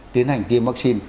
tiến hành tiêm vaccine